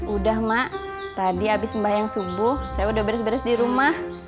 udah mak tadi habis sembahyang subuh saya udah beres beres di rumah